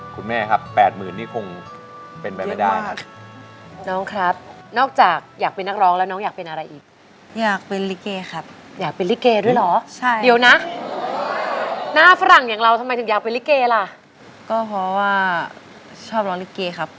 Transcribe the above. คุณแม่ครับแปดหมื่นนี่คงเป็นไปไม่ได้นะครับ